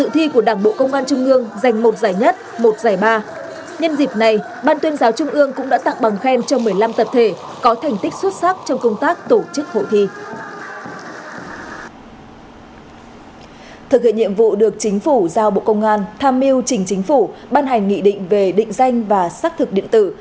thực hiện nhiệm vụ được chính phủ giao bộ công an tham mưu chính chính phủ ban hành nghị định về định danh và xác thực điện tử